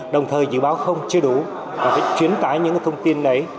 đồng thời dự báo không chưa đủ là phải truyền tải những thông tin đấy